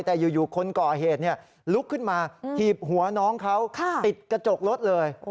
แต่อยู่คนก่อเหตุลุกขึ้นมาถีบหัวน้องเขาติดกระจกรถเลย